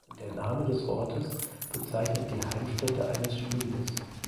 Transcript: Der Name des Ortes bezeichnet die Heimstätte eines Schmiedes.